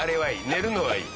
寝るのはいい。